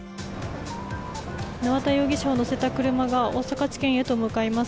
縄田容疑者を乗せた車が大阪地検へと向かいます。